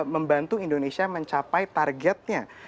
membantu indonesia mencapai targetnya